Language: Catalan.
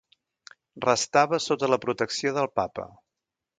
Restava sota la protecció del papa.